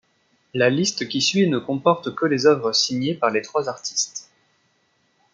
La liste qui suit ne comporte que les œuvres signées par les trois artistes.